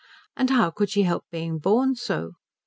And how could she help being born so?